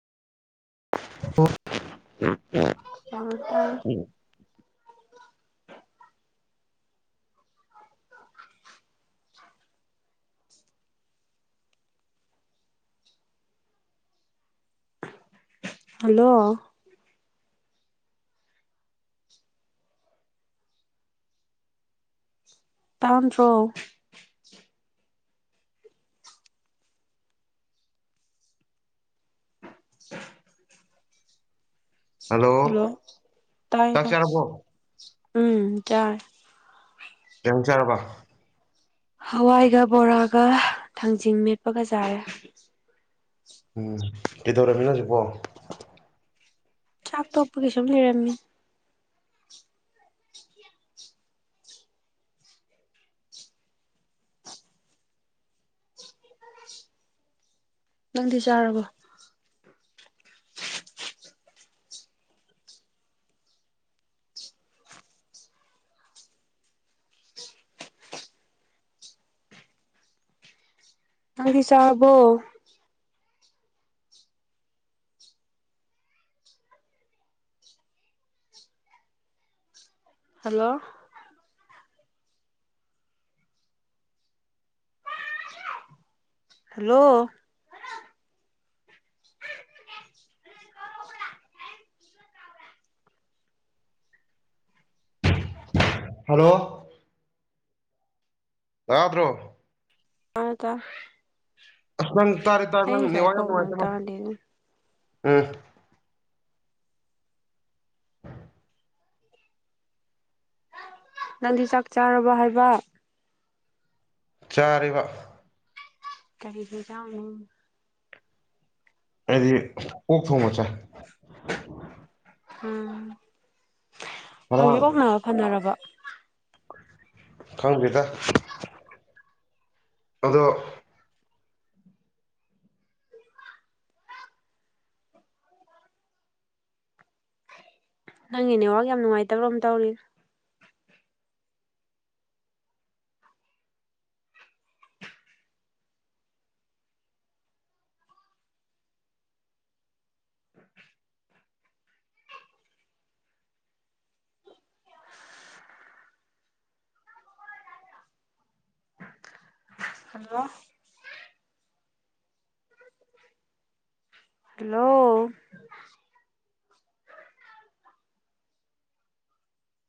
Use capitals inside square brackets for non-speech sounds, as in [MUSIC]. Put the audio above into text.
ꯇꯝꯇꯝ [UNINTELLIGIBLE] hello ꯇꯥꯝꯗ꯭ꯔꯣ [INAUDIBLE] hello ꯇꯥꯏ ꯆꯥꯛ ꯇꯥꯏ ꯆꯥꯔꯕꯣ ꯎꯝ ꯆꯥ ꯖꯡ ꯆꯔꯄꯥ ꯍꯋꯥꯏꯒ ꯕꯣꯔꯥꯒ ꯊꯥꯡꯖꯤꯡ ꯃꯦꯠꯄꯒ ꯆꯥꯔꯦ ꯎꯝ ꯀꯩꯗꯧꯔꯝꯃꯤꯅꯣ ꯍꯖꯤꯛꯄꯣ ꯆꯥꯛ ꯇꯣꯛꯄꯒꯤꯁꯨꯝ ꯂꯩꯔꯝꯃꯤꯅꯤ ꯅꯪꯗꯤ ꯆꯥꯔꯕꯣ ꯅꯪꯗꯤ ꯆꯥꯔꯕꯣ ꯍꯜꯂꯣ ꯍꯜꯂꯣ ꯍꯜꯂꯣ ꯇꯥꯗ꯭ꯔꯣ ꯑ ꯇꯥꯢ ꯅꯪ ꯇꯥꯔꯦ ꯇꯕ꯭ꯔ ꯅꯦꯋꯥꯛ ꯌꯥꯝ ꯅꯪ ꯅꯨꯡꯉꯥꯏꯇ ꯃꯂꯦ ꯇꯥꯗꯦꯅꯦ ꯎꯝ ꯅꯪꯗꯤ ꯆꯥꯛ ꯆꯥꯔꯕ ꯍꯥꯏꯕ ꯆꯥꯔꯦꯕ ꯀꯔꯤ ꯍꯤꯟꯖꯥꯡꯅꯣ ꯑꯩꯗꯤ ꯑꯣꯛ ꯊꯣꯡꯕ ꯆꯥꯏ ꯎꯝ ꯉꯔꯥꯡ ꯍꯧꯖꯤꯛ ꯑꯣꯛ ꯅꯥꯕ ꯐꯅꯔꯕ ꯈꯪꯗꯦꯗ ꯑꯗꯣ ꯅꯪꯒꯤ ꯅꯦꯋꯥꯛ ꯌꯥꯝ ꯅꯨꯡꯉꯥꯏꯇꯕ꯭ꯔꯣ ꯑꯃ ꯇꯧꯔꯤ ꯍꯜꯂꯣ ꯍꯜꯂꯣ